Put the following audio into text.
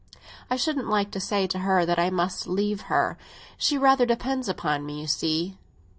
I shouldn't like to say to her that I must leave her. She rather depends upon me, you see."